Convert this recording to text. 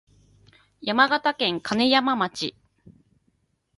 山形県金山町